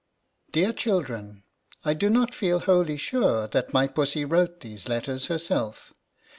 DEAR CHILDREN : DO not feel wholly sure that my Pussy wrote these letters herself.